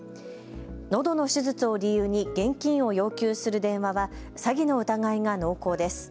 のどの手術を理由に現金を要求する電話は詐欺の疑いが濃厚です。